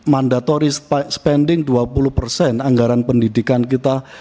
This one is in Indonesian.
mandatori spending dua puluh anggaran pendidikan kita